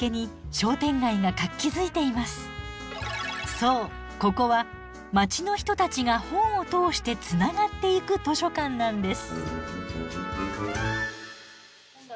そうここは街の人たちが本を通してつながっていく図書館なんです。